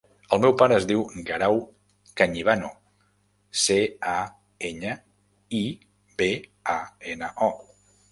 El meu pare es diu Guerau Cañibano: ce, a, enya, i, be, a, ena, o.